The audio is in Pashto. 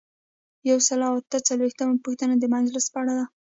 یو سل او اته څلویښتمه پوښتنه د مجلس په اړه ده.